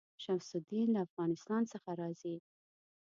شمس الدین له افغانستان څخه راځي.